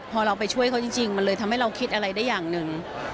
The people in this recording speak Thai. พอเราไปช่วยเขาจริงมันเลยทำให้เราคิดอะไรได้อย่างหนึ่ง